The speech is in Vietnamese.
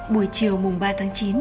buổi chiều mùng ba tháng chín